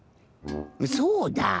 そうだ。